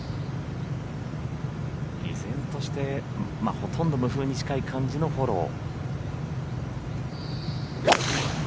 依然としてほとんど無風に近い感じのフォロー。